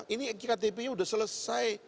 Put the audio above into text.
ini iktp nya sudah selesai